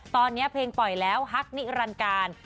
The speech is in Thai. ตอนนี้เพลงปล่อยแล้วฮักนิรันการ